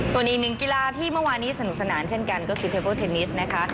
ส่วนอีกหนึ่งกีฬาที่เมื่อวานนี้สนุกสนานเช่นกันก็คือเทเบิลเทนนิสนะคะ